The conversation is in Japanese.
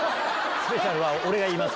「スペシャル」は俺が言います。